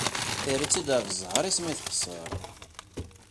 Terra-tt-id ɣef ẓẓher-is mi texser.